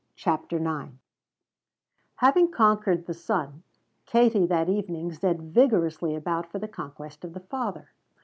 CHAPTER IX Having conquered the son, Katie that evening set vigorously about for the conquest of the father.